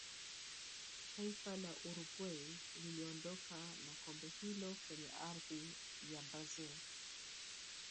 taifa la uruguay liliondoka na kombe hilo kwenye ardhi ya brazil